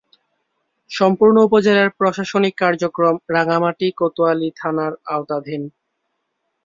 সম্পূর্ণ উপজেলার প্রশাসনিক কার্যক্রম রাঙ্গামাটি কোতোয়ালী থানার আওতাধীন।